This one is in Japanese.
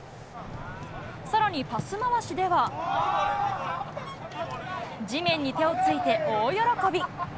さらにパス回しでは、地面に手をついて大喜び。